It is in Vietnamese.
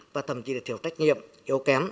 và thậm chí là thiếu trách nhiệm yếu kém